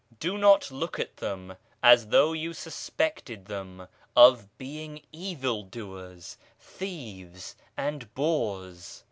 Do not look at them as though you suspected them of being evil doers, thieves, and boors.